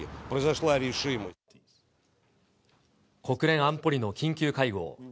国連安保理の緊急会合。